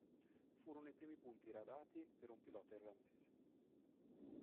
Furono i primi punti iridati per un pilota irlandese.